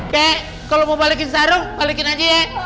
kayak kalau mau balikin sarung balikin aja ya